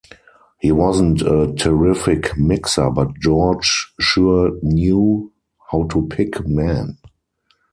He wasn't a terrific mixer but George sure knew how to pick men.